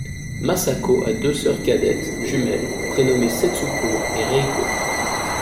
Masako a deux sœurs cadettes, jumelles, prénommées Setsuko et Reiko.